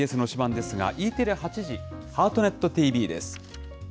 ですが、Ｅテレ８時、ハートネットＴＶです。